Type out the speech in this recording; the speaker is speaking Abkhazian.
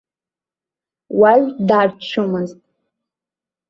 Уаҩ дарччомызт.